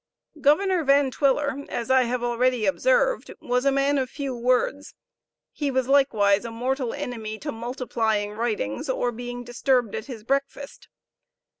Governor Van Twiller, as I have already observed, was a man of few words; he was likewise a mortal enemy to multiplying writings, or being disturbed at his breakfast.